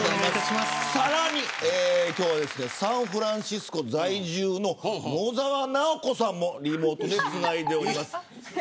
さらに今日はサンフランシスコ在住の野沢直子さんもリモートでつないでおります。